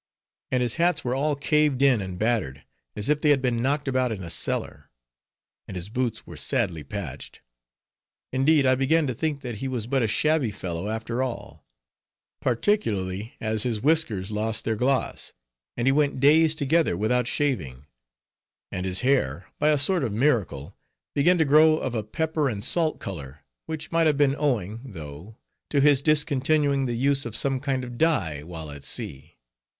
And his hats were all caved in, and battered, as if they had been knocked about in a cellar; and his boots were sadly patched. Indeed, I began to think that he was but a shabby fellow after all; particularly as his whiskers lost their gloss, and he went days together without shaving; and his hair, by a sort of miracle, began to grow of a pepper and salt color, which might have been owing, though, to his discontinuing the use of some kind of dye while at sea.